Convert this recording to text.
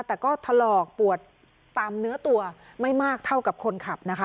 แต่ก็ถลอกปวดตามเนื้อตัวไม่มากเท่ากับคนขับนะคะ